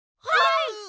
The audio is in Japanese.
はい！